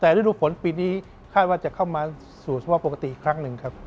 แต่ฤดูฝนปีนี้คาดว่าจะเข้ามาสู่ภาวะปกติอีกครั้งหนึ่งครับ